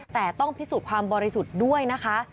แต่ต้องพิสูจน์ความบริสุทธิ์ด้วยนะคะ